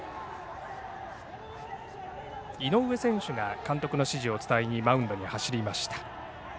井上選手が監督の指示を伝えにマウンドに走りました。